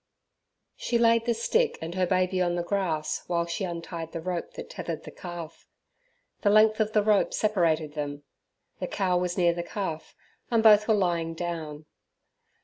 She laid the stick and her baby on the grass while she untied the rope that tethered the calf. The length of the rope separated them. The cow was near the calf, and both were lying down.